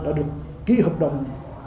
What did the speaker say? đã được ký hợp đồng